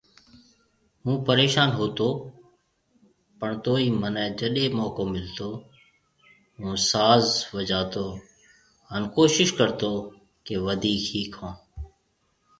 هُون پريشون هوتو پڻ توئي منهي جڏي موقعو ملتو هو ساز بجاتو هان ڪوشش ڪرتو ڪي وڌيڪ ۿيکون